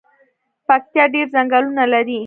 پکتیا ډیر ځنګلونه لري